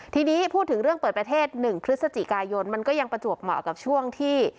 ทีนี้พูดถึงเรื่องเปิดประเทศ๑พฤศจิกายนมันก็ยังประจวบเหมาะกับช่วงที่